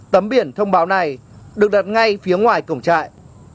tấm biển thông báo này được đặt ngay phía ngoài cổng trại